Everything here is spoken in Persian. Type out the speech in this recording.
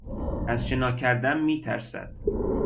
از شنا کردن میترسد.